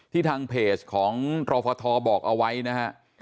ทางเพจของตรฟทบอกเอาไว้นะฮะ